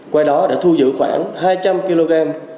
qua đó đã thu giữ khoảng hai trăm linh